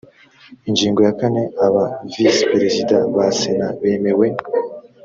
ingingo ya kane aba visi perezida ba sena bemewe